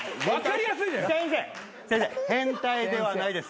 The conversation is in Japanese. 先生変態ではないです。